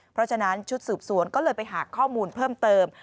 เพราะฉะนั้นชุดสืบสวนก็เลยไปหาข้อมูลเพิ่มเติม